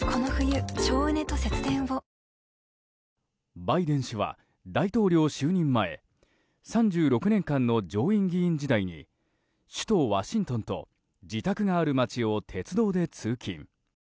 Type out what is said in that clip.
バイデン氏は、大統領就任前３６年間の上院議員時代に首都ワシントンと自宅がある街を鉄道で通勤。